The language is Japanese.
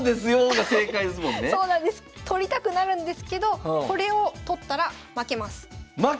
取りたくなるんですけどこれを取ったら負けます。